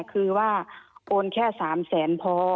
คือว่าโอนแค่๓แสนพอ